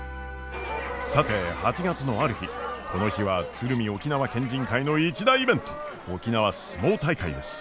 さて８月のある日この日は鶴見沖縄県人会の一大イベント沖縄角力大会です。